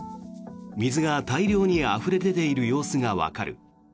水が大量にあふれ出ている様子がわかる。